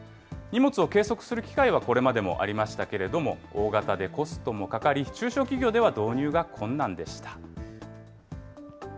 荷物を計測する機械はこれまでもありましたけれども、大型でコストもかかり、中小企業では導入が困難でした。